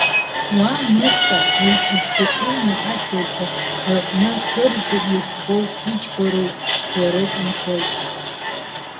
Уа Мыса! Уи зыӡбахә умоу адгьылқәа рыҟны, кырӡа иӷәӷәоу, иџьбароу жәларык нхоит.